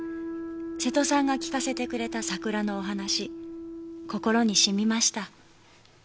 「瀬戸さんが聞かせてくれた桜のお話心に沁みました」